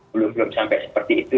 belum belum sampai seperti itu